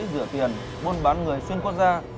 rửa tiền buôn bán người xuyên quốc gia